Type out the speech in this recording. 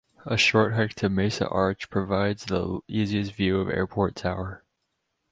A short hike to Mesa Arch provides the easiest view of Airport Tower.